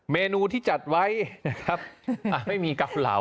เมนูที่จัดไว้นะครับไม่มีเกาเหลา